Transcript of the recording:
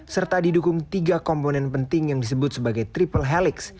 serta didukung tiga komponen penting yang disebut sebagai triple helix